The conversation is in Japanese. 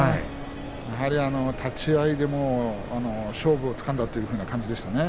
やはり立ち合いで勝負がついたという感じでしたね。